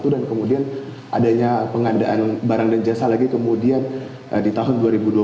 dan kemudian adanya pengandaan barang dan jasa lagi kemudian di tahun dua ribu dua puluh tiga